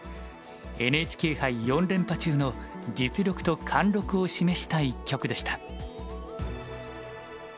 ＮＨＫ杯４連覇中の実力と貫禄を示した一局でした。